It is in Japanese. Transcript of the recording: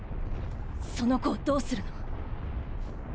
その子をどうするの？